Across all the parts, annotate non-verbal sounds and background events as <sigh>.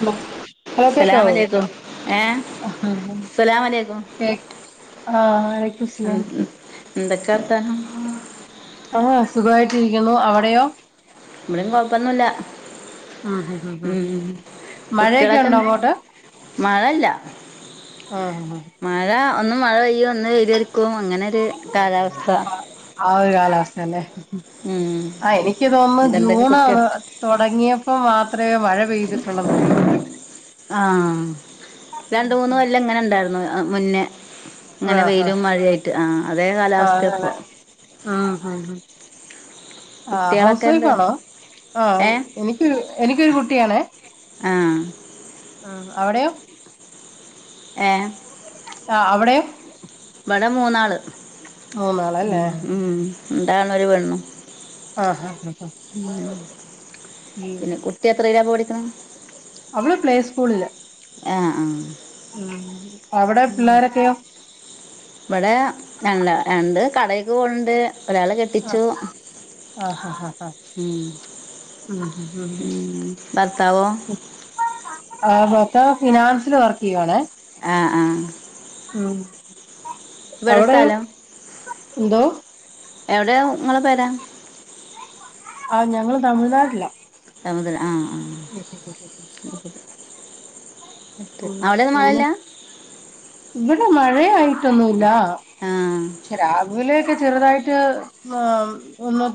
Hello hello കേക്ക അസ്സലാമലൈക്കും ഏ ആഹ അസ്സലാമലൈക്കും വലൈക്കും സ്ലാ കത്തഹ ആഹ് സുഖമായിട്ടിരിക്കുന്നു അവിടെയോ ഇമ്മളും കൊഴപ്പൊന്നുമില്ല ഉം മഴയൊക്കെ കുട്ടികളൊക്കെ ഉണ്ടോ എ അങ്ങോട്ട് മഴല്ല ആഹ്ഹ <unintelligible> മഴ ഒന്ന് മഴ പെയ്യും ഒന്ന് വെയിലെരുക്കും അങ്ങനെ ഒരു കാലാവസ്ഥ ആഹ് ആ ഒരു കാലാവസ്ഥല്ലെ ഉം ആ എനിക്ക് തോന്നുന്നു എന്തൊക്കെ ജൂൺ കുട്ടികൾ തുടങ്ങിയപ്പോ മാത്രമേ മഴ പെയ്തിട്ട ഉള്ളന്ന് തോന്ന്ന്നൂ ആഹ് രണ്ട് മൂന്ന് ഉം കൊല്ലങ്ങനെ ഇണ്ടായിരുന്നു മുന്നേ അങ്ങനെ ആഹാ വെയിലും മഴയായിട്ട് ആ അതേ കാലാവസ്ഥ്യാപ്പൊ ആഹ് ഹ ഹ ആ ഹൗസ് കുട്ടികളൊക്കെ ഉണ്ട് വൈഫാണോ ആ ഏ എനിക്കൊരു എനിക്കൊരു കുട്ട്യാണേ ആ ഉം അവിടെയോ ഏ ആ അവിടെയോ ഇവടെ മൂന്നാള് മൂന്നാളല്ലേ ഉം ണ്ടാണു ഒര് പെണ്ണു ആഹ് ഹഹ ഹ പിന്നെ കുട്ടി എത്രേലാപ്പ പഠിക്ക്ണെ അവള് പ്ലേ സ്കൂളില് ആ ആ ഉം അവിടെ പിള്ളോരൊക്കെയോ ഇവിടെ അല്ല ണ്ട് കടേക്ക് പോണ്ട് ഒരാളെ കെട്ടിച്ചു ആഹ് ആഹ് ആഹ് ആഹ് ആഹ് ഉം ബർത്താവോ ആ ഭർത്താവ് ഫിനാൻസില് വർക്കെയ്യുവാണേ ആ ആ ആ വിട സ്ഥലം എന്തോ എവിടെയാ ഇങ്ങളെ പെര ആഹ് ഞങ്ങള് തമിഴ്നാട്ട്ലാ സമുദ്രം ആഹ് ആഹ് ഉം ഉം അവിടെന്നും ഉം ഉം പിന്നെ മഴല്ല ഇവിടെ മഴ ആയിട്ടൊന്നുല്ലാ ആഹ് രാവിലേക്കെ ചെറ്തായിട്ട് ഏ ഒന്ന്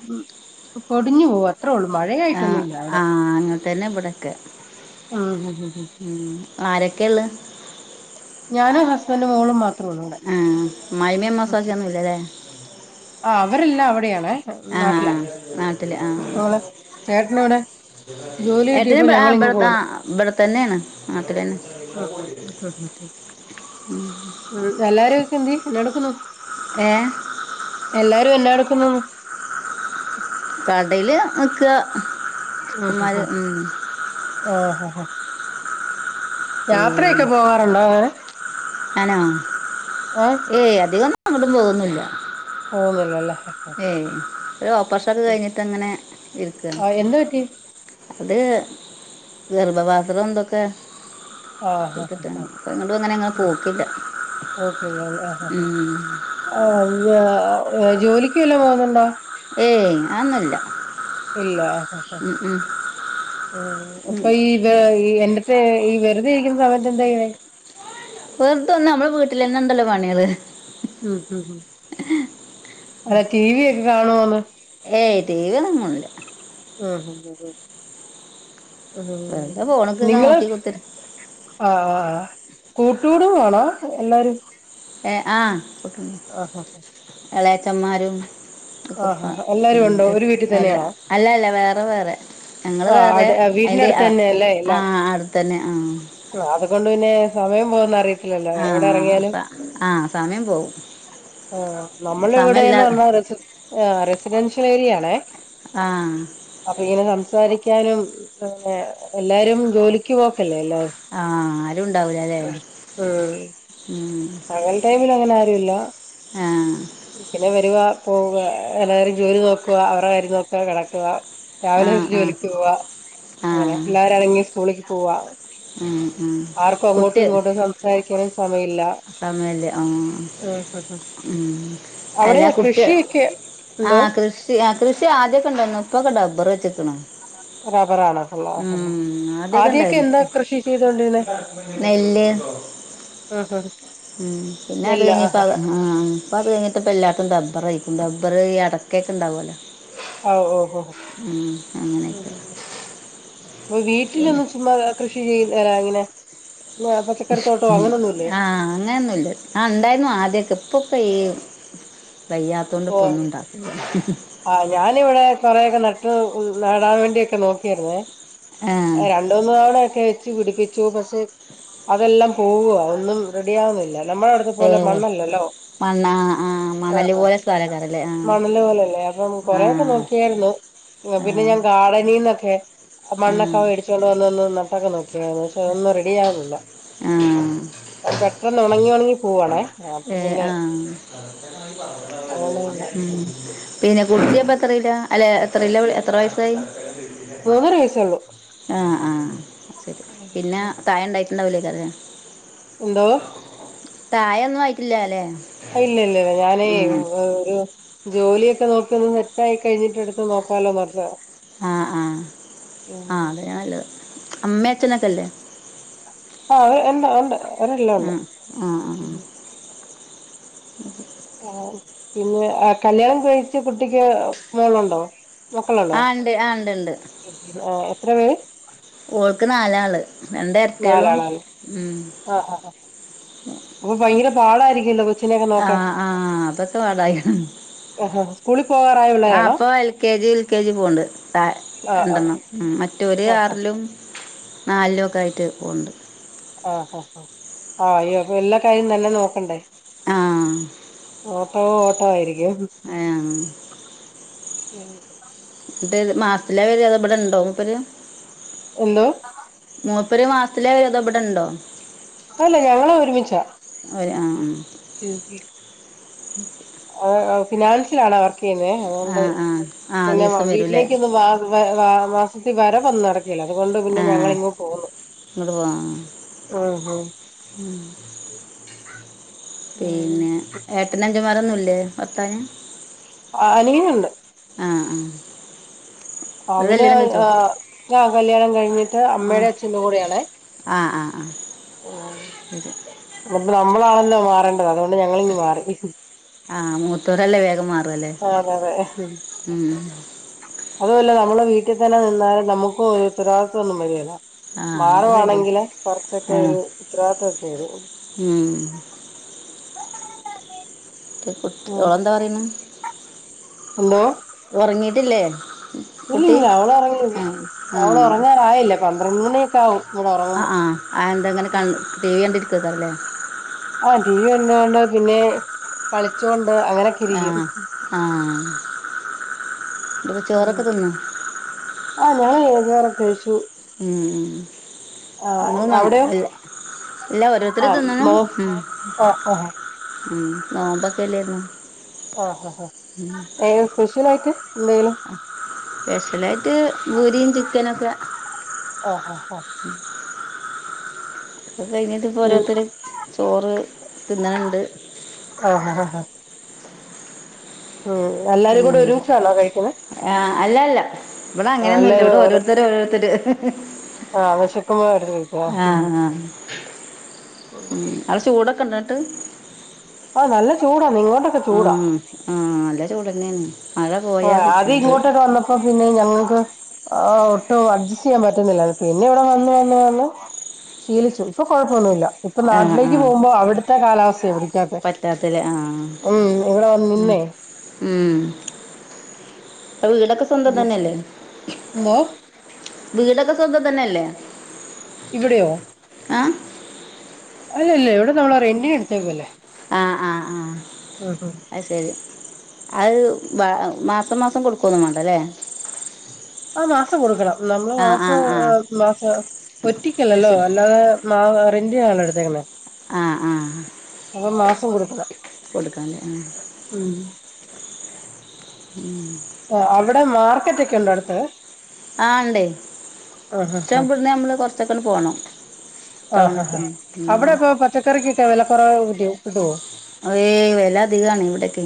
പൊടിഞ്ഞു പോവാ അത്രേ ഉള്ളൂ മഴയ ആയിട്ടൊന്നുല്ല അവിടെ തെന്നെ ഇബടെ ആ ഹ ഹ ഹ ആരെക്കെള്ളെ ഞാനും ഹസ്ബൻഡും മോളും മാ ആ മായ്മിം അമ്മോസാക്ക്യൊന്നുല്ലേ ആ അവരെല്ലാം അവിടെയാണ് നാട്ടിലാ ആഹ് നാട്ടില് ആഹ് ഞങ്ങള് ചേട്ടനിവ്ടെ ഏട്ടന് ബാ ബർത്ത ബർത്തെന്നാണ് നാട്ട്ലെന്നെ ഉം എല്ലാരും ഒക്കീണ്ണ് എന്നാ എടുക്കുന്നു ഏ എല്ലാരും എന്നാട്ക്കുന്നു കടയില് നിക്ക ആഹ് ഹ ചെക്കന്മാര് ഹ ഉം ആഹ് ഹാ ഹാ യാത്രെക്കെ പോവാറുണ്ടോ ഐ അനോ ഏയ് അധികൊന്നും എങ്ങട്ടും പോകൊന്നുല്ല പോകുന്നില്ലല്ലേ ഏയ് ഒരു ഓപ്പെർഷൊക്കെ കയ്ഞ്ഞിട്ടങ്ങനെ ഇരിക്ക <unintelligible> അതേ ഗർഭപാത്രം ഇതൊക്കെ ആഹ് ആഹ് എങ്ങോട്ടും അങ്ങനെങ്ങള് പോക്കില്ല ആ ഉം ആ ജോലിക്ക് വല്ലാം പോന്നുണ്ടോ ഏയ് അന്നുല്ല ഉ ഉ ഉ അപ്പൊ ഈ പ ഈ എന്റെർറ്റെ ഈ വെറുതെ ഇരിക്കുന്ന സമയത്ത് എന്താെക്ക്യെ വെറുതന്ന നമ്മെ വീട്ടിൽന്നെ എന്തല്ലോ പണികള് ഉം ഉ അതെ ടി വി ഒക്കെ കാണുവന്ന് ഏയ് ടി വിങ്ങണ്ട് ആഹ ഹഹ ആ വെറുതെ ഫോണൊക്കെ നിങ്ങള നോക്കി കുത്തിരി ആഹ ആ് കൂട്ടുകൂടും വേണാ എല്ലാരും ഏ ആട്ട ആഹ് ഇളയാച്ചന്്മാരും ആഹ് ആഹ് എല്ലാരും ഉണ്ടോ ഒരു വീട്ടിൽ പ്പല്ല തന്നെയാണോ അല്ല അല്ല വേറെ വേറെ ഞങ്ങള്ൾ വേറെ ആഹ് വീടിന്റെ അതിറെ അടുത്ത് തന്നെ അല്ലേ ആ എല്ലാം അടുത്തന്നെ ആ അതുകൊണ്ട് പിന്നെ സമയം പോകന്നറിയ ആഹ ആഹ സമയം പോകവും ആ നമ്മളവിടെ പറഞ്ഞ സിഡൻ്യ അ ആഹ് ഇ ാനുംെ എല്ലാരും ജോലിക്ക് പോക്കല്ലേ എല്ലാര ആഹ ആരും ഉണ്ടാവൂല അല്ലേ ഉ മകൽ ടൈമിൽ അങ്ങനെ ആരുല്ല ആഹ് പിന്നെ വരുവാ അപ്പ എല്ലാവരും ജോലി നോക്കുക അവരുടെ കാര്യം നോക്കാ കിടക്കുക രാവിലെ ആഹ് ആഹ് ജോലിക്ക് പോവാ അങ്ങനെ ആഹ് പിള്ളരും ഇറങ്ങി സ്കൂളിലക്ക് പോവാ ഉം ഉം ആർക്ക അങ്ങോട്ടും ഇങ്ങോട്ടും സംസാരിക്കാനും സമയമില്ല അപ്പ അമ്മല്േ ആ ഉം ഉം ഉ അവിടെ അല്ലാ കുട്ടി കൃഷിയൊക്കെ എന്തോ ആഹ് കൃഷി ആ കൃഷി ആദ്യൊക്കെ ഇണ്ടോ മുപ്പൊക്കെ ഡബർ വെച്ചെക്കണ ആ റബ്ബറാണോള്ളോ ആദ്യൊക്കെ എന്താ കൃഷി ചെയ്തോണ്ടിരുന്നേ ആ ഉം ഉ പിന്നെ അത് നെല്ല് കഴിഞ്ഞിപ്പ ആഹ് ആ അപ്പൊ അത് കഴിഞ്ഞിട്ടപ്പ എല്ലാത്തും ഡബർ കയിക്കും ബർ ഈ അടക്കൊക്കെ ഉണ്ടാവൊല്ലോ ഓ ഓ ഓ അങ്ങനെയൊക്കെ ഉ ഇപ്പ പിന്നെ വീട്ടിലൊന്നും ചുമ്മാ കൃഷി ചെയ് തരാ ഇങ്ങനെ പച്ചക്കറിത്തോട്ടോ ഉം അങ്ങനൊന്നുല്ലേ ആ അങ്ങൻന്നുല്ല ആ ഉണ്ടായിരുന്നു ആദ്യൊക്കെ ഇപ്പൊ പ്പ വയ്യ ആ്ഞാനിവിടെ കൊറെയൊക്കെ നട്ട് നടാൻ വേണ്ടിയൊക്കെ നോക്കിരുന്നേ ആ രണ്ട മൂന്ന് തവണ ഒക്കെ പിടിപ്പിച്ചു പക്ഷെ അതെല്ലാം പോകുവാ ഒന്നും റെഡി ആവുന്നില്ല നമ്മള അടുത്ത് പോലെ മണ്ണല്ലല്ലോ മണ്ണ് ആ ആഹ് മണല് ആഹ് പോലെ ക്കറല്ലേ ആ മണല് പോലല്ലേ അപ്പം ആ കൊറെക്കെ നോക്കിയായിരുന്നു ആ പിന്നെ ഞാൻ ഗാർഡനിന്നൊക്കെ ആ മണ്ണക്കാവ ഇടിച്ചൊണ്ട് വന്ന ഒന്ന് നട്ടൊക്കെ നോക്കിയന്ന് പക്ഷെ അതൊന്നും റെഡി ആവുന്നില്ല ആ പെട്ടെന്ന് ഉണങ്ങി ഉണങ്ങി പോവാണേ ഏ പിന്നെ ആ ആണല്ല ഉം പിന്നെ കുട്ടിപ്പ എത്രയില അല്ലെ എത്രയല എത്ര വയസ്സായി മൂന്നര <unintelligible> ശരി അങ്കെ പിന്നെ താഴ ഉണ്ടായിട്ടുണ്ടാവില്ലേക്കല്ലേ എന്തോ തായൊന്നും ആയിട്ടില്ല അല്ലേ ഇല്ല ഇല്ലല്ല ഞാനേ ഉം ഒരു ജോലിയൊക്കെ നോക്കിയൊന്ന് സെറ്റായി കഴിഞ്ഞിട്ട്ടുത്ത് നോക്കാലോന്ന്ച്ചാ ആ ആ ആ അതെയണല്ലത് അമ്മയച്ചനൊക്കെല്ലേ ആ എ ഉണ്ട് ഉണ്ട് അവരെല്ലാം ഉണ്ട് ഉം ഉം ആ പിന്നെ കല്യാണം കഴിച്ച കുട്ടിക്ക് മോളുണ്ടോ മക്കളാണ്ടോ ആഹ് ഉണ്ട് ആഹ് ഉണ്ട് ഉണ്ട് എത്ര പേര് ഓൾക്ക് നാലാള് രണ്ട് എരട്ടകളും നാലാളല്ലോ ഉം ആ ആ അപ്പൊ ഭയങ്കര പാടായിരിക്കല്ലോ കൊച്ച ആ ആ അതോക്കെ പാടാ കൂളിപോവാറാ ആ ഇപ്പൊ L K G U K G പോണ്ട് ആഹ് ആഹ് രണ്ടണം ഉം മറ്റൊര് ആഹ് ആർലും നാൽലൊക്കെ ആയിട്ട് പോണ്ട് ആഹ് ആഹ് ആഹ് ആ അയ്യ എല്ലാ കാര്യും തന്നെ നോക്കണ്ടേ ആഹ് ഓട്ടോ ഓട്ടോ ആയിരി ആഹ് ഉം മാസതിലാ വര അതെവിടെ ഇണ്ടോ മൂപ്പര് എന്തോ പ്പര് മാസത്തില വര അതോ ഇപടണ്ടോ അല്ല ഞങ്ങള ഒരുമിച്ചാ ഉം ഫിനാൻസൽ ആണ് വർ ക്കെയ്യന്നെ ആ അതൊണ്ട് ആ ആ പിന്നെ ദിവസം വരൂല്ലേ വീട്ടിലേക്ക്ന്ന് മാ മാ മാസത്തിൽ വര വന്ന് നട ക്കേല അതുകൊണ്ട് പിന്നെ ആ ഞങ്ങൾ ഇങ്ങോട്ട് പോ ഉം പിന്നെ ഏട്ടന അഞ്ചമാരൊന്നുംല്ലേ പത്താഞ്ഞ ആ അനിയനുണ്ട് അ.. ആഹ് അവനാകല്യാണം കഴിഞ്ഞിട്ട് ആ അമ്മയുടെയും അച്ഛന്റെയും കൂടെയാണേ. ആ ആ ആ ശരി അപ്പൊ, നമ്മളാണല്ലോ മാറണ്ടെ അതുകൊണ്ട് ഞങ്ങളിങ്ങുമാറി. ആ മൂത്തോരല്ലേ വേഗം മാറുമല്ലേ ആ.. അതെയതെ ഉം. അതുമല്ല നമ്മളുവീട്ടിൽ തന്നെനിന്നാലും, നമുക്കുമൊരു ത്തരവാദിത്വമൊന്നും വരിവേല ആ അത് ശരി മാറുവാണെങ്കിലെ ആ കുറച്ചൊക്കെയൊരു ഉത്തരവാദിത്വമൊക്കെ വരും ഉം അവളെന്താപറയുന്നേ എന്തോ ഉറങ്ങീട്ടില്ലേ ഇല്ലില്ല, അവളുറങ്ങിയില്ല. ആ അവളുറങ്ങാറായില്ല. പന്ത്രണ്ടുമണിയൊക്കെയാവും. ആ.. ആ.. ആ എന്താങ്ങനെകണ്ടു. ടി. വി കണ്ടിരിക്കുവല്ലോയല്ലേ ആഹ് ടിവി കണ്ടോണ്ടുപിന്നെ, കളിച്ചോണ്ട് ണ്ട്, അങ്ങനെയൊക്കെ ആഹ് യിരിക്കും. ഇപ്പോചോറൊക്കെ തിന്നോ ഞാൻ ചോറൊക്കെ കഴിച്ചു. ഉം.. ആഹ് അവിടെയോ നിങ്ങളുവന്നില്ലേ ഇല്ല ഓരോരുത്തര് ആഹ് തിന്നുന്നു, നോ ആഹ് ആഹ് ഉം നോമ്പൊക്കെയല്ലായിരുന്നോ ആഹ് ഹആഹ് ഏസ്പെഷ്യലായിട്ട് സ്പെഷ്യലായിട്ട് പൂരിയും, ചിക്കനൊക്കെ ആഹ് അ ഹ ഒക്കെക്കഴിഞ്ഞിട്ടിപ്പോൾ ഓരോരുത്തരുചോറു തിന്നണുണ്ട്. ആഹ് ആഹ് ആഹ് ഉം എല്ലാരും പിന്നെ കൂടെയൊരുമിച്ചാണോ കഴിക്കുന്നേ ആഹ് അല്ലയല്ല ഇവിട ങ്ങനെയൊന്നുമില്ല. ഇവിടെ ഓരോരുത്തരോരുത്തര് ആ പക്ഷേ ആഹ് ആ അവിടെ ചൂടൊക്കെയുണ്ടായിട്ട്. നല്ലചൂടാന്നിങ്ങോ ആഹ് ആഹ് എല്ലാരുമതുതന്നേന്ന് ആ അത്‌ ഇങ്ങോട്ട് ഒന്ന് വന്നപ്പോൾ പിന്നെ ഞങ്ങള് ആ ഒട്ടും അഡ്ജസ്റ്റ് ചെയ്യാൻപറ്റുന്നില്ല. പിന്നെയിവിടെ വന്നു, വന്ന്, വന്ന്- ശീലിച്ചു. ഇപ്പൊ കൊഴപ്പമൊന്നുമില്ല. ആഹ് ഇപ്പൊനാട്ടിലേക്ക് ആഹ് പോകുമ്പോളവിടുത്തെ കാലാവസ്ഥയാ, പിടി- പറ്റാത്തല്ലേ ആഹ് ഉം.. ഇവിടെ വന്നുനിന്നേ ഉം.. അവിടെ വീടൊക്കെ സ്വന്തം തന്നെയല്ലേ എന്തോ വീടൊക്കെ സ്വന്തം തന്നെയല്ലേ ഇവിടെയോ അഹാ അല്ലല്ല, ഇവിടെ നമ്മള് രെന്റിനെടുടുത്തേക്കുവല്ലേ. അ.. ആ അതുശരി, അതുമാസം, മാസം, കൊടുക്കൊന്നുംവേണ്ടല്ലേ അതു മാസം കൊടുക്കണം. ആ നമ്മളുമാസമാസ അത് ഒറ്റിക്കല്ലല്ലോ, ശരി അല്ലാതെ മാ- റെന്റിനാണോ എടുത്തേക്കിന്നെ അ.. ആ. അതുമാസം കൊടുക്കണം കൊടുക്കാഞ്ഞാ ഉം ഉം.. ആ, അവിടെ മാർക്കറ്റൊ ക്കെയുണ്ടോയടുത്ത്. ആ ഇണ്ട്‌, ആഹ് ഇവിടിന്നുനമ്മള് കൊറച്ചൊക്കെയങ്ങുപോണം. ആ.. ഹാ.. ഹ.. അവിടൊക്കെ പച്ചക്കറിക്കൊക്കെവിലക്കുറവു കിട്ടുവോ അതേയ്, വിലഅധികമാണിഇവിടൊക്കെ.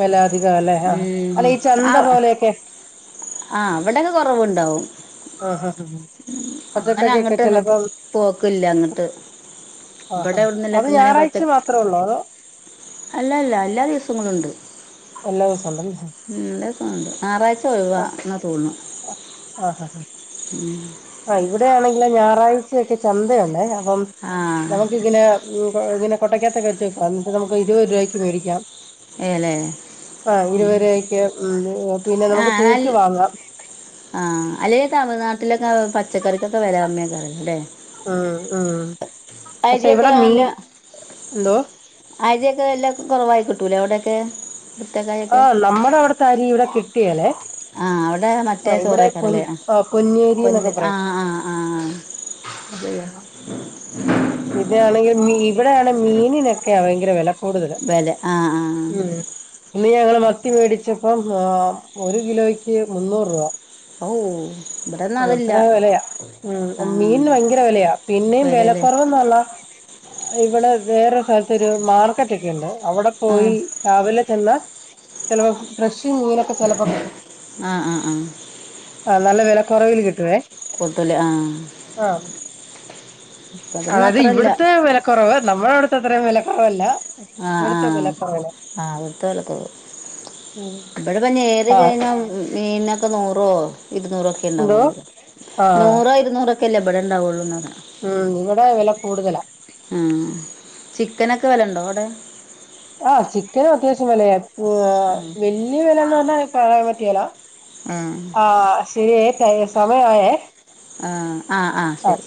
വില അധികം അല്ലേ ഉം... ആഹ് അല്ല ഈ ചന്ത പോലെയൊക്കെ ആഹ ഹ ഹ <unintelligible> അങ്ങനെ അങ്ങട്ട ഒന്നും പോക്കല്ല അങ്ങിട്ട് ആഹ് ഇവിടെ ആഹ് അത് എവിടുന്നക്കെ ഇങ്ങനെ ഞായറാഴ്ച പറ്റ- മാത്രേ ഉള്ളോ അതോ അല്ല അല്ല എല്ലാ ദിവസങ്ങളുണ്ട് എല്ലാദിവസവും ഉണ്ടല്ലേ ഞയാറാഴ്ച ഒഴവാ എന്ന തോന്നുന്നു ആ ഇവിടെയാണെങ്കിലിൽ ഞായറാഴ്ചൊക്കെ ചന്തുണ്ടേ അപ്പം ആ നമുക്കിങ്ങനെ- ഇങ്ങെ കൊട്ടക്കത്തക്കെച്ചേക്ക എന്നിട്ട് നമുക്ക് ഇരുപ രൂപയ്ക്ക് മേടിക്കാം ഏലേ ആഹ ഇരുപര ആയിക്ക് പിന്നെ നമുക്ക് തൂക്കി വാങ്ങാം ആഹ അല്ലെ തമിഴ്നാട്ടിലൊക്കെ പച്ചക്കറിക്കൊക്കെ വില അമ്മയൊക്കെറ അല്ലേ ആഹ ആഹ <unintelligible> അതിയൊക്കെ അല്ല എന്തോ ആദിയൊക്കെ എല്ല കുറവായി കിട്ടൂലേ എവിടെയൊക്കെ ആ നമ്മുടെ അവിടത്തെ അരി ഇവിടെ കിട്ടിയല്ലെ ആഹ അവിടെ മറ്റേ ചോറക്കാാരല്ലേ ആഹ് പൊന്നിയരി എന്നൊക്കെ പൊന്ന പറയും ആഹ് ആഹ് ആഹ അത ഇതാണെങ്കിൽ ഇവിടെയണ മീനിനൊക്കെയ ഭയങ്കര വില കൂടുതല് വില ആഹ ആ ഉം ഇന്ന് ഞങ്ങള് മത്തി മേടിച്ചപ്പം ഒരു കിലോയ്ക്ക് മുന്നൂറ് രൂപ ഓ <unintelligible> ഒന്നും അതില്ല അത്ര വിലയാ ഉ ആ മീൻ ഭയങ്കര വിലയാ പിന്നേും വില വിലല്ലേ കുറവന്നാള്ള- ഇവിടെ വേറെ സ്ഥലത്തരു മാർക്കറ്റ് ഒക്കെുണ്ട് അവിടെ ആ പോയി രാവിലെ ചെന്ന- ചിലപ്പോ ഫ്രഷും മീനൊക്കെ ചെിലപ്പോ കിട്ടും ആ ആ ആ ആ് നല്ല വില കുറവില് കിട്ടുവേ- കൊടുത്തു ഇല്ലേ ആ അതായത് ഇവിടുത്തെ വിലക്കുറവ് നമ്മുടെ അവിടുത്തെ അത്രയും വിലക്കുറവല്ല ആഹ ഇവിടുത്തെ ആഹ വിലക്കുറവിന് ആ അത്തല്ല ത ഉം <unintelligible> ഇവിടെ പറഞ്ഞ ആ ഏറികഴഞ്ഞ മീനൊക്കെ നൂറോ ഇരുന്നൂറോക്കെ എന്തോ ഉണ്ടാവൊള്ളു ആ നൂറോ ഇരുന്നൂറ ഉും ഉണ്ടാ വെള്ളുന്നെ ഉം ഇവിടെ വില കൂടുതലാ ഉം ചിക്കനൊക്കെ വിലണ്ടോ അവിടെ ആഹ ചിക്കനും അത്യാവശ്യം വിലയ ആ വലിയ വിലന്ന് പറഞ്ഞാ പറയാൻ പറ്റിയല ആ ശരിയ സമയായേ ആ ആ ആ ശരി